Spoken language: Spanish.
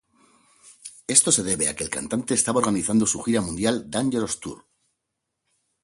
Esto se debe a que el cantante estaba organizando su gira mundial "Dangerous Tour".